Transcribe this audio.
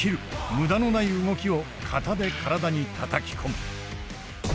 無駄のない動きを型で体にたたき込む。